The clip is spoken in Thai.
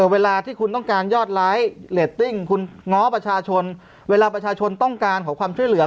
เวลาที่คุณต้องการยอดไลค์เรตติ้งคุณง้อประชาชนเวลาประชาชนต้องการขอความช่วยเหลือ